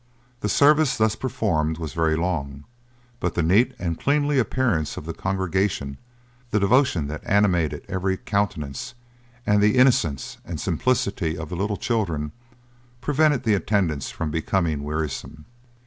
The service thus performed was very long; but the neat and cleanly appearance of the congregation, the devotion that animated every countenance, and the innocence and simplicity of the little children, prevented the attendance from becoming wearisome.